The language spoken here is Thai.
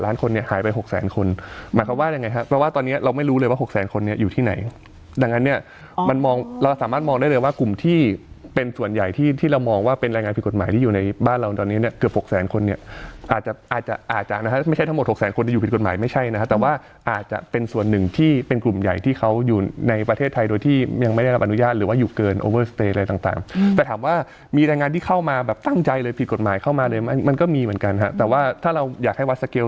เราสามารถมองได้เลยว่ากลุ่มที่เป็นส่วนใหญ่ที่ที่เรามองว่าเป็นแรงงานผิดกฎหมายที่อยู่ในบ้านเราตอนนี้เนี้ยเกือบหกแสนคนเนี้ยอาจจะอาจจะอาจจะนะฮะไม่ใช่ทั้งหมดหกแสนคนที่อยู่ผิดกฎหมายไม่ใช่นะฮะแต่ว่าอาจจะเป็นส่วนหนึ่งที่เป็นกลุ่มใหญ่ที่เขาอยู่ในประเทศไทยโดยที่ยังไม่ได้รับอนุญาตหรือว่าอยู่เก